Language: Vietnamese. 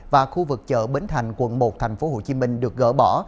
và khu vực chợ bến thành quận một tp hcm được gỡ bỏ